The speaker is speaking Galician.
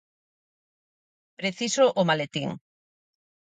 Preciso o maletín.